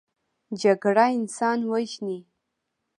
جګړه انسان وژني